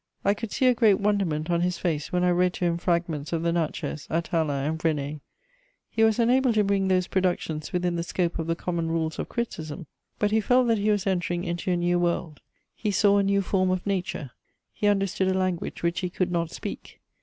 I could see a great wonderment on his face when I read to him fragments of the Natchez, Atala and René; he was unable to bring those productions within the scope of the common rules of criticism, but he felt that he was entering into a new world; he saw a new form of nature; he understood a language which he could not speak.